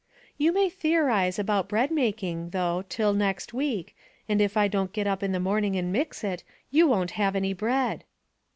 " You may theorize about bread making, though, till next week, and if I don't get up in the morning and mix it you won't have any bread."